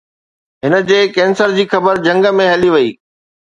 هن جي ڪينسر جي خبر جهنگ ۾ هلي وئي